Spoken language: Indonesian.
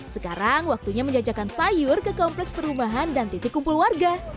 sekarang waktunya menjajakan sayur ke kompleks perumahan dan titik kumpul warga